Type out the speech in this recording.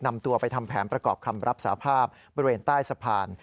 นำตัวไปทำแผนประกอบคำรับสาภาพบริเวณใต้สะพาน